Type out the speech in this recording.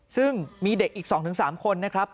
ซึ่งมีเด็กอีก๒๓คนนะครับ